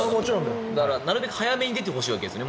なるべく早めに出てほしいわけですよね。